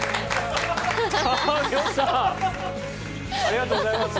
ありがとうございます。